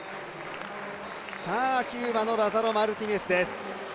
キューバのラザロ・マルティネスです。